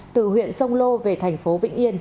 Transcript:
từ huyện sông lô về thành phố vĩnh yên